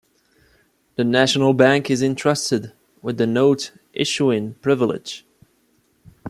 The National Bank is entrusted with the note-issuing privilege.